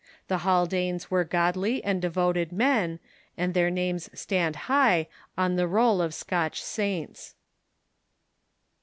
The Haldanes were godly and devoted men, and their names stand hisrh on the roll of Scotch saints.